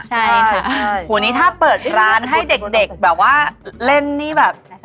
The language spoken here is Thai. ใช่ค่ะวันนี้ถ้าเปิดร้านให้เด็กแบบว่าเล่นนี่แบบ